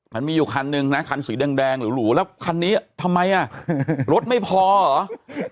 มันมีอยู่คันนึงนะคันสีแดงหรูแล้วคันนี้ทำไมอ่ะรถไม่พอเหรอ